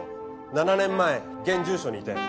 ７年前現住所に移転。